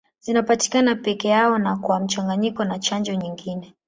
Zinapatikana peke yao na kwa mchanganyiko na chanjo nyingine.